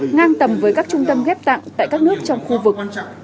ngang tầm với các trung tâm ghép tạng tại các nước trong khu vực